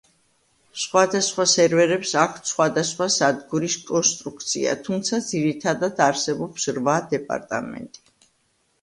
სხვადასხვა სერვერებს აქვთ სხვადასხვა სადგურის კონსტრუქცია, თუმცა ძირითადად არსებობს რვა დეპარტამენტი.